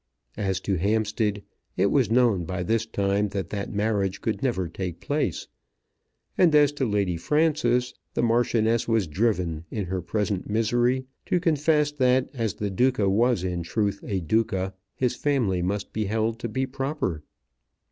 As to Hampstead, it was known by this time that that marriage could never take place; and as to Lady Frances, the Marchioness was driven, in her present misery, to confess, that as the Duca was in truth a Duca, his family must be held to be proper.